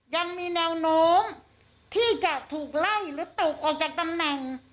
ยังมีแนวโน้มที่จะถูกไล่หรือตกออกจากตำแหน่ง